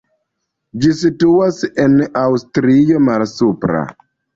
Ĝi situas en Aŭstrio Malsupra.